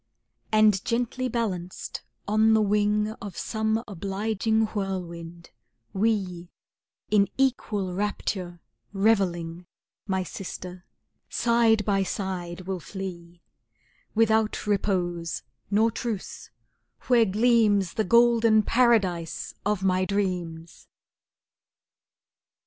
And gently balanced on the wing Of some obliging whirlwind, we In equal rapture revelling My sister, side by side will flee, Without repose, nor truce, where gleams The golden Paradise of my dreams!